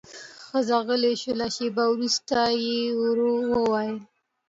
ښځه غلې شوه، شېبه وروسته يې ورو وويل: